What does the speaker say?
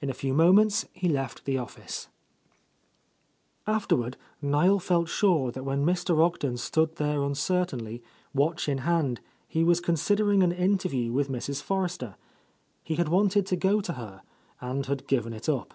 In a few moments he left the office. A Lost Lady Afterward, Niel felt sure that when Mr. Og den stood there uncertainly, watch in hand, he was considering an interview with Mrs. Forres ter. He had wanted to go to her, and had given it up.